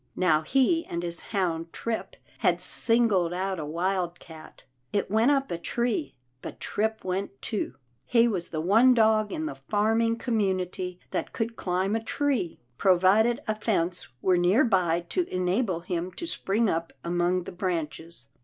Now he and his hound Trip had singled out a wildcat. It went up a tree, but Trip went too. He was the one dog in the farm ing community that could climb a tree, provided a fence were near by to enable him to spring up among the branches.